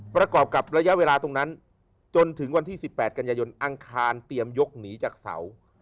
ประกอบกับระยะเวลาตรงนั้นจนถึงวันที่๑๘กันยายนอังคารเตรียมยกหนีจากเสา